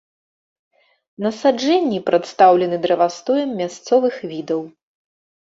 Насаджэнні прадстаўлены дрэвастоем мясцовых відаў.